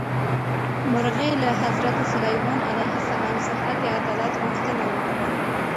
مرغۍ له حضرت سلیمان علیه السلام څخه د عدالت غوښتنه وکړه.